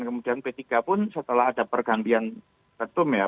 kemudian p tiga pun setelah ada pergantian ketum ya